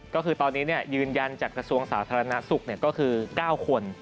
ก็คือตอนนี้ยืนยันจากกระทรวงสาธารณสุขก็คือ๙คน